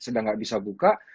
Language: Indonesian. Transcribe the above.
sedang gak bisa buka